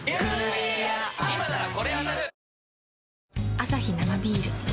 アサヒ生ビール